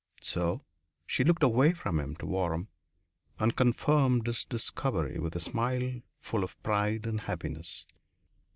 So she looked away from him to Waram and confirmed his discovery with a smile full of pride and happiness.